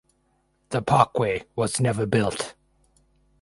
The parkway was never built.